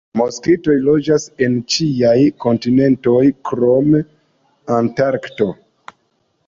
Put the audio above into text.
Moskitoj loĝas en ĉiaj kontinentoj krom Antarkto.